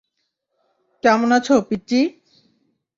কেমন আছো, পিচ্চি?